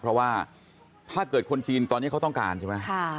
เพราะว่าถ้าเกิดคนจีนตอนนี้เขาต้องการใช่ไหม